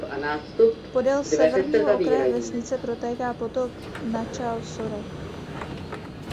Podél severního okraje vesnice protéká potok Nachal Sorek.